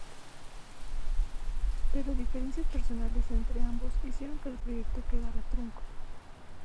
Pero diferencias personales entre ambos hicieron que el proyecto quedara trunco.